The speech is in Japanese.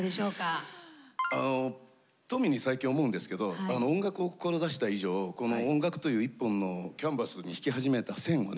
あのとみに最近思うんですけど音楽を志した以上この音楽という一本のキャンバスに引き始めた線をね